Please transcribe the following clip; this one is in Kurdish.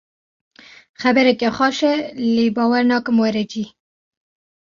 Xebereke xweş e lê bawer nakim were cî.